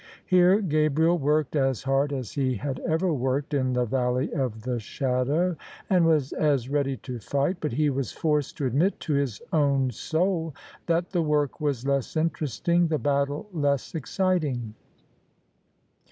Here Gabriel worked as hard as he had ever worked in the Valley of the Shadow, and was as ready to fight: but he was forced to admit to his own soul that the work was less interesting, the battle less excit ing.